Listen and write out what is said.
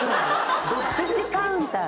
すしカウンター。